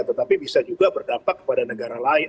tetapi bisa juga berdampak kepada negara lain